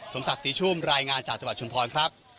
ศักดิ์ศรีชุ่มรายงานจากจังหวัดชุมพรครับ